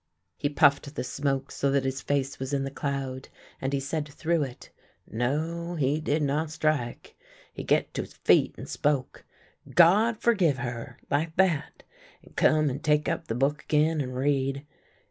He pufifed the smoke so that his face was in the cloud, and he said through it :" No, he did not strike. He get to his feet and spoke :' God forgive her !' like that, and come and take up the book again, and read.